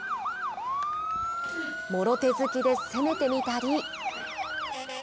もろ手突きで攻めてみたり。